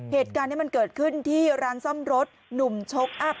เหตุการณ์นี้มันเกิดขึ้นที่ร้านซ่อมรถหนุ่มชกอัพ